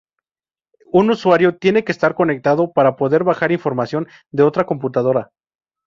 Un usuario tiene que estar conectado para poder bajar información de otra computadora.